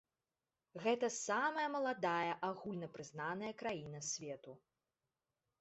Гэта самая маладая агульнапрызнаная краіна свету.